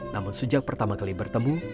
namun sejak pertama kali bertemu